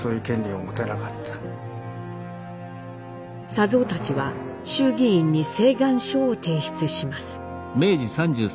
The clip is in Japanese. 佐三たちは衆議院に請願書を提出します。